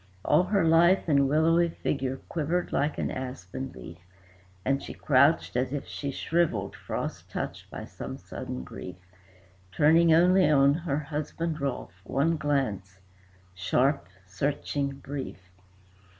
All her lithe and willowy figure quivered like an aspen leaf, And she crouched as if she shrivelled, frost touched by some sudden grief, Turning only on her husband, Rolfe, one glance, sharp, searching, brief.